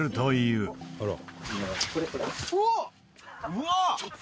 「うわっ！」